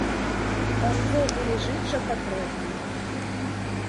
А ўвогуле жыць жа патрэбна.